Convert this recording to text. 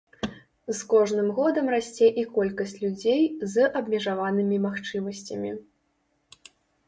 З кожным годам расце і колькасць людзей з абмежаванымі магчымасцямі.